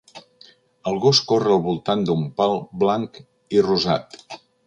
El gos corre al voltant d'un pal blanc i rosat.